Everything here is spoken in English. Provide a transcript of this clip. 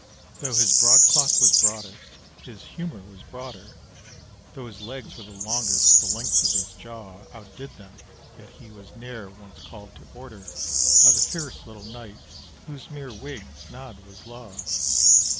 Though his broadcloth was broadest, his humour was broader Though his legs were the longest, the length of his jaw Out did them; yet he was ne'er once called to order, By the fierce little knight whose mere wig's nod was law.